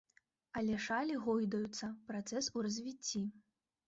Але шалі гойдаюцца, працэс у развіцці.